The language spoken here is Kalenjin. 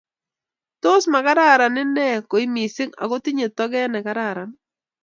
Tos magararan ine?koy mising ako tinyei toget negararan